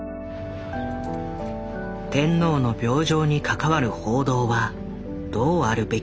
天皇の病状に関わる報道はどうあるべきか。